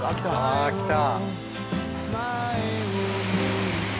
ああ来た！